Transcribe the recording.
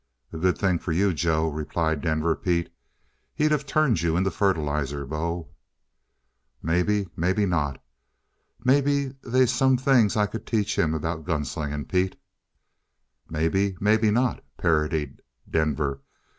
"A good thing for you, Joe," replied Denver Pete. "He'd of turned you into fertilizer, bo!" "Maybe; maybe not. Maybe they's some things I could teach him about gun slinging, Pete." "Maybe; maybe not," parodied Denver.